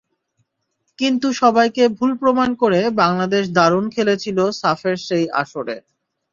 কিন্তু সবাইকে ভুল প্রমাণ করে বাংলাদেশ দারুণ খেলেছিল সাফের সেই আসরে।